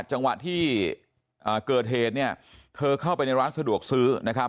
จังหวะที่เกิดเหตุเนี่ยเธอเข้าไปในร้านสะดวกซื้อนะครับ